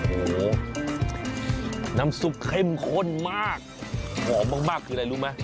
โอ้โหน้ำซุปเข้มข้นมากหอมมากคืออะไรรู้ไหม